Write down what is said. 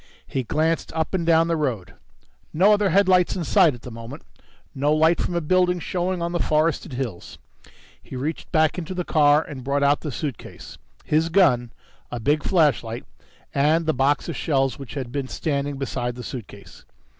He glanced up and down the road. No other headlights in sight at the moment, no light from a building showing on the forested hills. He reached back into the car and brought out the suitcase, his gun, a big flashlight and the box of shells which had been standing beside the suitcase.